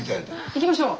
行きましょう。